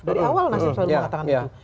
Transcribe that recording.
dari awal nasib selalu mengatakan itu